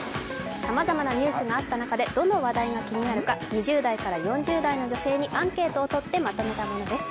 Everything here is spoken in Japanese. さまざまなニュースがあった中でどのニュースが気になるか２０代から４０代の女性にアンケートをとってまとめたものです。